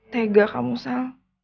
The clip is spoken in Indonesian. tega kamu sah